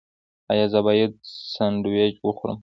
ایا زه باید سنډویچ وخورم؟